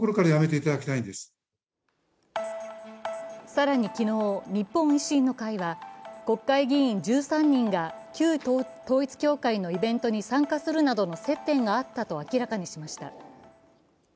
更に昨日、日本維新の会は国会議員１３人が旧統一教会のイベントに参加するなどの接点があったと明らかにしました。